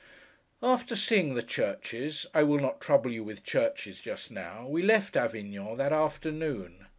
After seeing the churches (I will not trouble you with churches just now), we left Avignon that afternoon.